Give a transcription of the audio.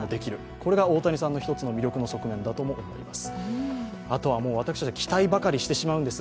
これが大谷さんの一つの魅力の側面だとも思います。